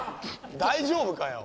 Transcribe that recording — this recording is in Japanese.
大丈夫かよ。